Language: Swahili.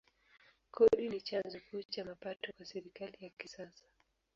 Kodi ni chanzo kuu cha mapato kwa serikali ya kisasa.